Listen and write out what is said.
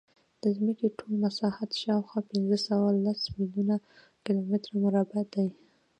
د ځمکې ټول مساحت شاوخوا پینځهسوهلس میلیونه کیلومتره مربع دی.